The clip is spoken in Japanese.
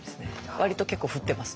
割と結構振ってます。